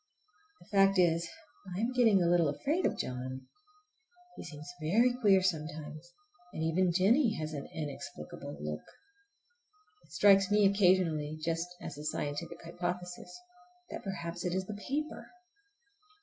The fact is, I am getting a little afraid of John. He seems very queer sometimes, and even Jennie has an inexplicable look. It strikes me occasionally, just as a scientific hypothesis, that perhaps it is the paper!